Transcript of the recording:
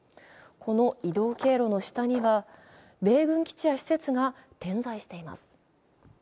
この移動経路の下には米軍基地や施設が点在しています。